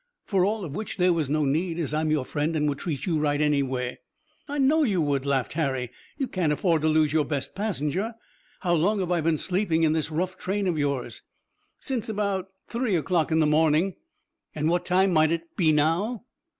For all of which there was no need, as I'm your friend and would treat you right anyway." "I know you would," laughed Harry. "You can't afford to lose your best passenger. How long have I been sleeping in this rough train of yours?" "Since about three o'clock in the morning." "And what time might it be now."